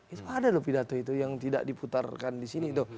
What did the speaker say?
itu ada loh pidato itu yang tidak diputar kan di sini